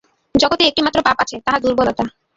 জগতে একটিমাত্র পাপ আছে, তাহা দুর্বলতা।